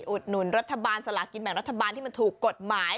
อุดหนุนรัฐบาลสลากินแบ่งรัฐบาลที่มันถูกกฎหมาย